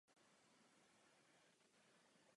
Verze pro indický trh se od tohoto modelu výrazně liší.